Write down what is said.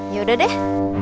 ya udah deh